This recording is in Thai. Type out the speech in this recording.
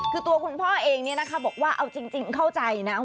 คือตัวคุณพ่อเองเนี่ยนะคะบอกว่าเอาจริงเข้าใจนะ